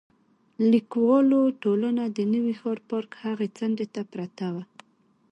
لیکوالو ټولنه د نوي ښار پارک هغې څنډې ته پرته وه.